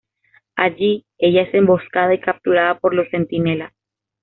Allí, ella es emboscada y capturada por los Centinelas.